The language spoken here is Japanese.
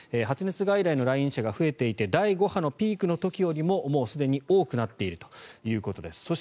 発熱外来の来院者が増えていて第５波のピークの時よりももうすでに多くなっているということです。